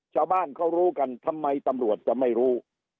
ชาวบ้านเขารู้กันทำไมตำรวจจะไม่รู้